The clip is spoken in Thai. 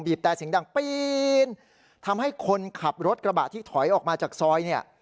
แต่เสียงดังปีนทำให้คนขับรถกระบะที่ถอยออกมาจากซอยเนี่ย